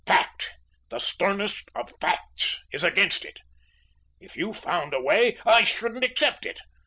Fact the sternest of facts is against it. If you found a way, I shouldn't accept it.